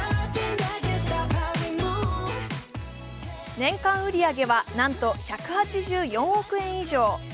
年間売り上げは、なんと１８４億円以上。